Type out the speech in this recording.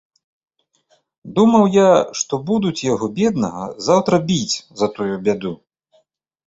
Думаў я, што будуць яго, беднага, заўтра біць за тую бяду.